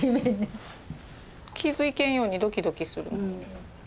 傷いけんようにドキドキする。